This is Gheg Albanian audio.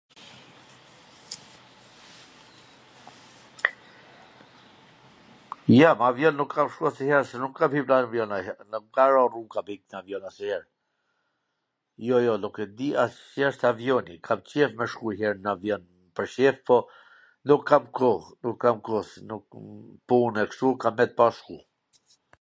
jo, me avjon nuk kam shku asnjwher, se nuk kam hip nw avjon nanjwher, nuk m ka ra rruga, jo, jo, nuk e di as si asht avjoni, kam qejf me shku njw her me avjon pwr qejf, po nuk kam koh, nuk kam koh... pun e kshtu kam met pa shku